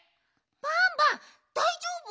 バンバンだいじょうぶ？